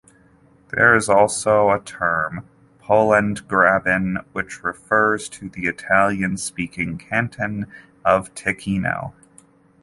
There is also a term Polentagraben which refers to the Italian-speaking canton of Ticino.